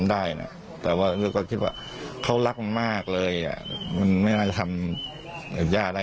อะไรที่ทำไม่คิดว่าจะมาทำ